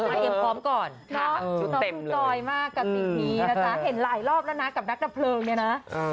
เอ็มพร้อมก่อนน้องดูจอยมากกับสิ่งนี้นะจ๊ะเห็นหลายรอบแล้วนะกับนักดับเพลิงเนี่ยนะ